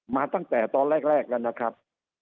มาตั้งแต่ตอนแรกแล้วนะครับ